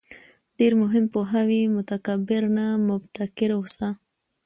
ډېر مهم پوهاوی: متکبِّر نه، مُبتَکِر اوسه